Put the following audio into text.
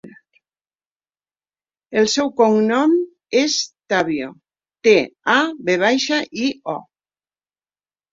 El seu cognom és Tavio: te, a, ve baixa, i, o.